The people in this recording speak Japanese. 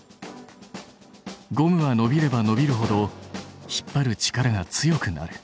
ゴムはのびればのびるほど引っ張る力が強くなる。